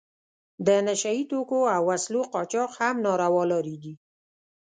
د نشه یي توکو او وسلو قاچاق هم ناروا لارې دي.